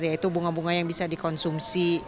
yaitu bunga bunga yang bisa dikonsumsi